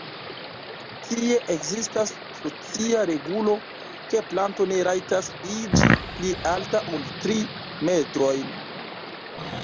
Tie ekzistas socia regulo, ke planto ne rajtas iĝi pli alta ol tri metrojn.